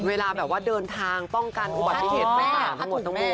เวลาแบบว่าเดินทางป้องกันอุบัติเหตุไฟป่าทั้งหมดทั้งมวล